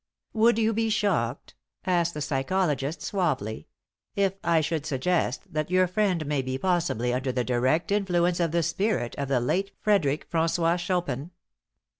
"Would you be shocked," asked the psychologist, suavely, "if I should suggest that your friend may be possibly under the direct influence of the spirit of the late Frederic François Chopin?"